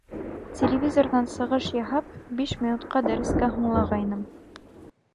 Телевизорҙан сығыш яһап биш минутҡа дәрескә һунлағайным...